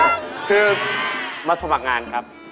คือมาสมัครงานครับ